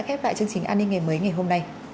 khép lại chương trình an ninh ngày mới ngày hôm nay